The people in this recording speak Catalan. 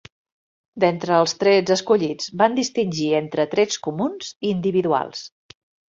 D'entre els trets escollits, van distingir entre trets comuns i individuals.